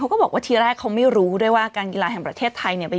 ก็บอกว่าทีแรกเขาไม่รู้ด้วยว่าการกีฬาแห่งประเทศไทยเนี่ย